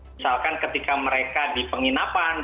misalkan ketika mereka di penginapan